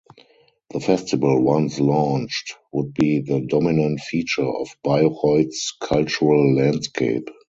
The Festival, once launched, would be the dominant feature of Bayreuth's cultural landscape.